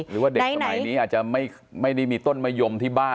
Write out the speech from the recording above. หรือว่าเด็กสมัยนี้อาจจะไม่ได้มีต้นมะยมที่บ้าน